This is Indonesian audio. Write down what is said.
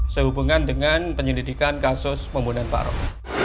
sehubungan dengan penyelidikan kasus pembunuhan parok